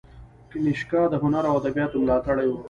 کنیشکا د هنر او ادبیاتو ملاتړی و